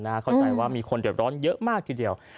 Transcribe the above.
เข้าใจว่ามีคนเดือดร้อนเยอะมากทีเดียว